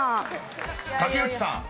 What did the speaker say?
［竹内さん